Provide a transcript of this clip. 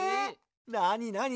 なになに？